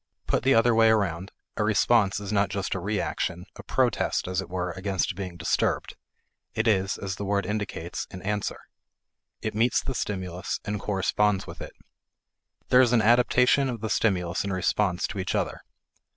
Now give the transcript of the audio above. Put the other way around, a response is not just a re action, a protest, as it were, against being disturbed; it is, as the word indicates, an answer. It meets the stimulus, and corresponds with it. There is an adaptation of the stimulus and response to each other.